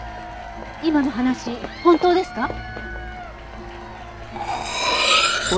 今の話本当ですか？